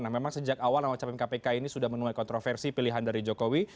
nah memang sejak awal nama capim kpk ini sudah menuai kontroversi pilihan dari jokowi